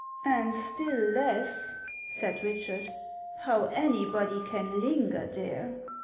" And still less," said liiehard, " how anybody can linger there.